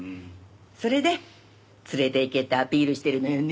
それで連れて行けってアピールしてるのよね！